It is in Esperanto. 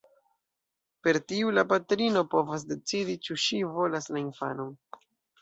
Per tiu la patrino povas decidi, ĉu ŝi volas la infanon.